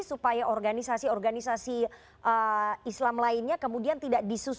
supaya organisasi organisasi islam lainnya kemudian tidak disusun